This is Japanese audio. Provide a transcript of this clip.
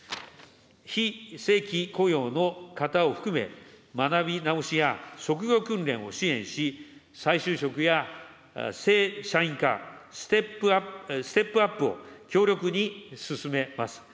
非正規雇用の方を含め、学び直しや職業訓練を支援し、再就職や正社員化、ステップアップを強力に進めます。